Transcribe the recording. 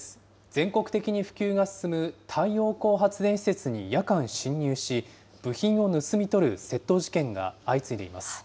全国的に普及が進む太陽光発電施設に夜間侵入し、部品を盗み取る窃盗事件が相次いでいます。